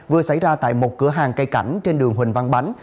vừa xảy ra tại một cửa hàng cây cảnh trên đường huỳnh văn bánh